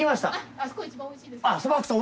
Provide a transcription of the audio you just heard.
あそこ一番おいしいですよ。